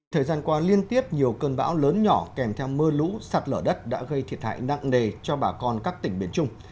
thời gian qua liên tiếp nhiều cơn bão lớn nhỏ kèm theo mưa lũ sạt lở đất đã gây thiệt hại nặng nề cho bà con các tỉnh biển trung